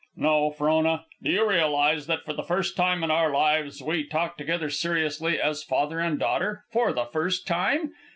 "No, Frona. Do you realize that for the first time in our lives we talk together seriously, as father and daughter, for the first time?